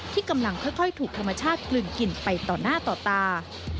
ที่กำลังค่อยถูกธรรมชาติกลึงกลิ่นไปต่อหน้าต่อตา